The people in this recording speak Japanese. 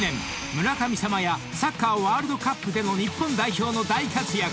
村神様やサッカーワールドカップでの日本代表の大活躍！